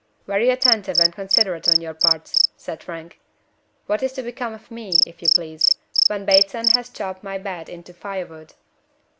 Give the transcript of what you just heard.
"Very attentive and considerate on your part," said Frank. "What is to become of me, if you please, when Bateson has chopped my bed into fire wood?"